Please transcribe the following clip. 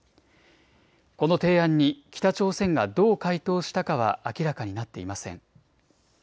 この提案に北朝鮮がどう回答したかは明らかになっていません。